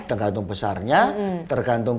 tergantung besarnya tergantung